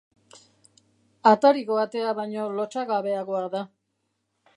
Atariko atea baino lotsagabeagoa da.